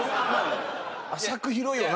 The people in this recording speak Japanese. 浅く広いよな。